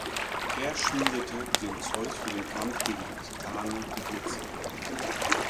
Er schmiedete dem Zeus für den Kampf gegen die Titanen die Blitze.